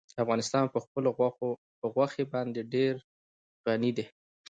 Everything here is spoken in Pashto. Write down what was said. افغانستان په خپلو غوښې باندې ډېر غني دی.